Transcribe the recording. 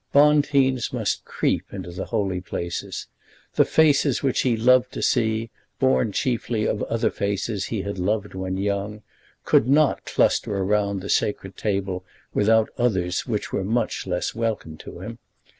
Bonteens must creep into the holy places. The faces which he loved to see, born chiefly of other faces he had loved when young, could not cluster around the sacred table without others which were much less welcome to him.